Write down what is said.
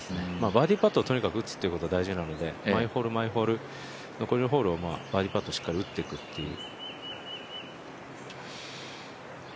バーディーパットを打つことが大事なので、毎ホール、毎ホール、残りのホールをバーディーパットしっかり打っていくという。